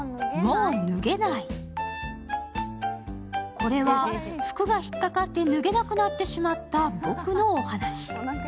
これは、服がひっかかって脱げなくなってしまった僕のお話。